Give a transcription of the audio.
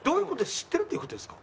知ってるっていう事ですか？